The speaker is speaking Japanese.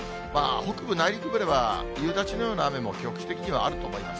北部、内陸部では夕立のような雨も局地的にはあると思います。